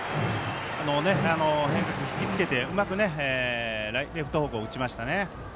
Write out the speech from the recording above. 変化球、引き付けてうまくレフト方向に打ちましたね。